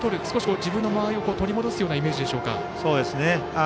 少し自分の間合いを取り戻すようなイメージでしょうか。